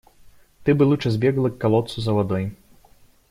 Ты бы лучше сбегала к колодцу за водой.